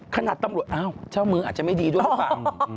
ขนาดตำรวจเอ้าเจ้ามืออาจจะไม่ดียังไหม